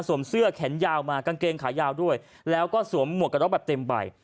เสื้อแขนยาวมากางเกงขายาวด้วยแล้วก็สวมหมวกกระน็อกแบบเต็มใบ